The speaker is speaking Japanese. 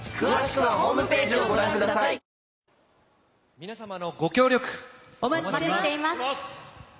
皆さまのご協力、お待ちしています。